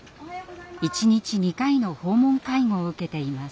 １日２回の訪問介護を受けています。